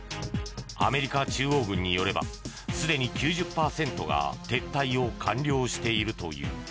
アメリカ中央軍によればすでに９０％が撤退を完了しているという。